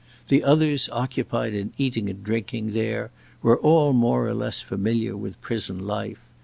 The others occupied in eating and drinking there were all more or less familiar with prison life.